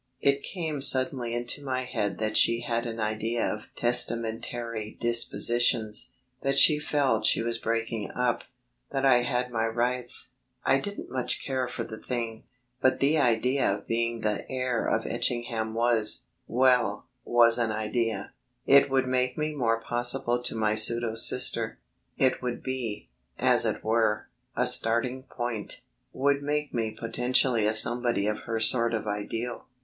It came suddenly into my head that she had an idea of testamentary dispositions, that she felt she was breaking up, that I had my rights. I didn't much care for the thing, but the idea of being the heir of Etchingham was well, was an idea. It would make me more possible to my pseudo sister. It would be, as it were, a starting point, would make me potentially a somebody of her sort of ideal.